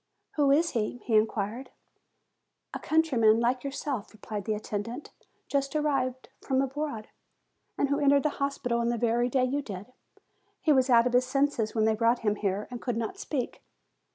"Who is he?" he in quired. "A countryman, like yourself," replied the attend ant, "just arrived from abroad, and who entered the hospital on the very day you did. He was out of his senses when they brought him here, and could not speak.